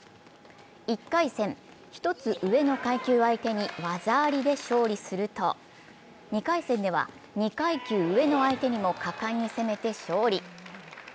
１回戦、１つ上の階級を相手に技ありで勝負すると２回戦では２階級上の相手にも果敢に攻めて勝利。